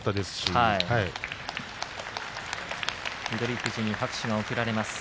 富士に拍手が送られます。